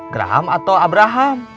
geraham atau abraham